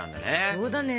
そうだね。